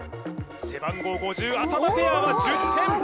背番号５０浅田ペアは１０点